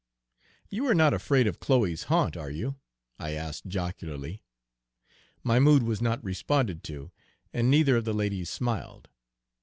"You are not afraid of Chloe's haunt, are you?" I asked jocularly. My mood was not responded to, and neither of the ladies smiled.